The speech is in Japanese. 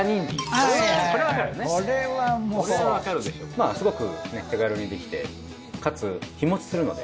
まあすごく手軽にできてかつ日もちするので。